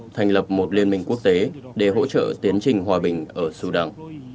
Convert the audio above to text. thành lập một liên minh quốc tế để hỗ trợ tiến trình hòa bình ở sudan